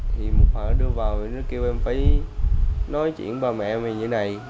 thì một phần nó đưa vào thì nó kêu em phải nói chuyện với mẹ em như thế này